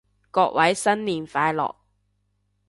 各位新年快樂